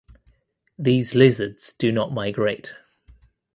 These lizards do not migrate.